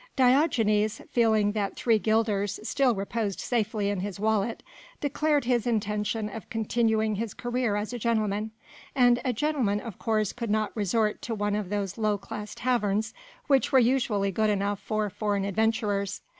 Diogenes, feeling that three guilders still reposed safely in his wallet, declared his intention of continuing his career as a gentleman, and a gentleman of course could not resort to one of those low class taverns which were usually good enough for foreign adventurers.